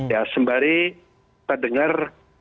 ya sembari kita dengar